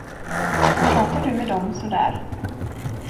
Pratar du med dem sådär?